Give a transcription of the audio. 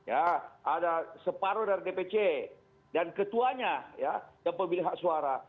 ada separuh dari dpc dan ketuanya yang pemilih hak suara